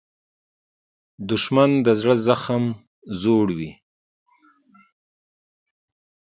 دښمن د زړه زخم زوړوي